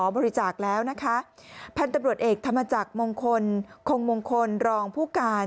บริจาคแล้วนะคะพันธุ์ตำรวจเอกธรรมจักรมงคลคงมงคลรองผู้การ